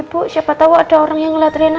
ibu siapa tau ada orang yang ngeliat reina